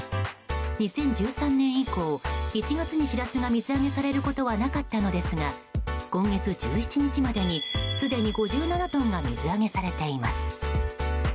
２０１３年以降、１月にシラスが水揚げされることはなかったのですが今月１７日までにすでに５７トンが水揚げされています。